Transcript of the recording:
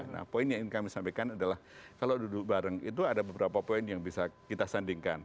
nah poin yang ingin kami sampaikan adalah kalau duduk bareng itu ada beberapa poin yang bisa kita sandingkan